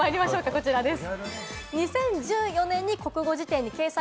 こちらです。